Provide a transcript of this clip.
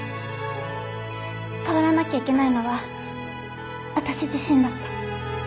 変わらなきゃいけないのは私自身だった。